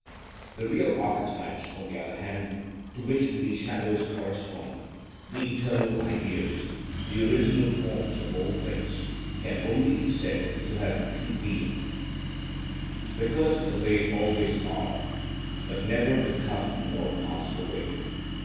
The real archetypes, on the other hand, to which these shadows correspond, the eternal Ideas, the original forms of all things, can alone be said to have true being (οντως ον), because they always are, but never become nor pass away.